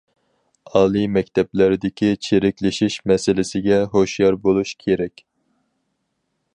ئالىي مەكتەپلەردىكى چىرىكلىشىش مەسىلىسىگە ھوشيار بولۇش كېرەك.